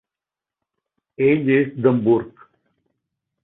Ell és d'Hamburg.